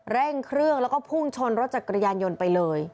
เร่งเครื่องแล้วก็พุ่งชนรถจักรยานยนต์ไปเลย